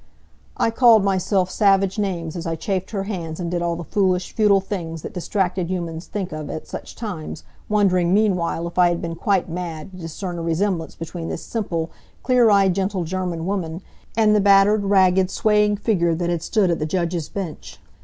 I called myself savage names as I chafed her hands and did all the foolish, futile things that distracted humans think of at such times, wondering, meanwhile, if I had been quite mad to discern a resemblance between this simple, clear eyed gentle German woman, and the battered, ragged, swaying figure that had stood at the judge's bench.